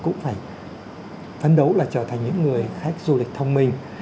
cũng phải phấn đấu là trở thành những người khách du lịch thông minh